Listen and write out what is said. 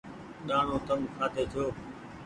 ڏآڻو تم کآدي ڇو